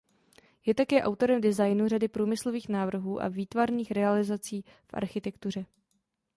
Je také autorem designu řady průmyslových návrhů a výtvarných realizací v architektuře.